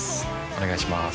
お願いします。